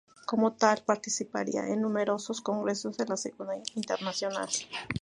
Como tal participaría en numerosos Congresos de la Segunda Internacional.